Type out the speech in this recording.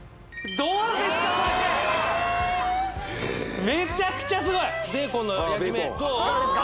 どうですか？